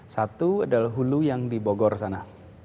satu adalah hulu yang di bogor sana